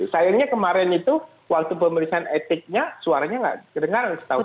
sayangnya kemarin itu waktu pemeriksaan etiknya suaranya tidak terdengar setahu saya